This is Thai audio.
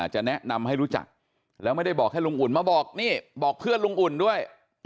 จะแนะนำให้รู้จักแล้วไม่ได้บอกให้ลุงอุ่นมาบอกนี่บอกเพื่อนลุงอุ่นด้วย